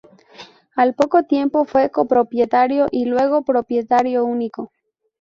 Al poco tiempo fue copropietario y luego propietario único.